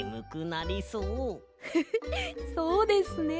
フフッそうですね。